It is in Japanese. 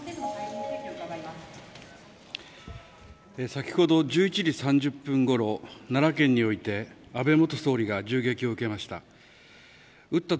先ほど１１時３０分ごろ奈良県において安倍元総理が銃撃を受けました。